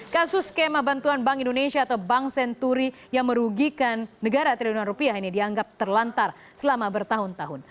kasus skema bantuan bank indonesia atau bank senturi yang merugikan negara triliunan rupiah ini dianggap terlantar selama bertahun tahun